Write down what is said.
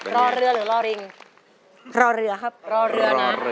รอเรือครับรอเรือนะรอเรือ